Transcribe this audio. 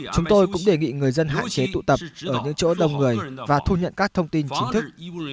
chúng tôi cũng đề nghị người dân hạn chế tụ tập ở những chỗ đông người và thu nhận các thông tin chính thức